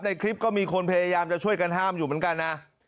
ในคลิปก็มีคนพยายามจะช่วยกันห้ามอยู่เหมือนกันนะ